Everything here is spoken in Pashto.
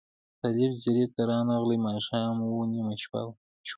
طالب ځیري ته رانغلې ماښام و نیمه شپه شوه